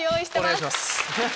お願いします。